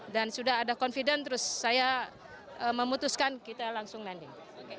dan sudah ada confident terus saya memutuskan kita langsung landing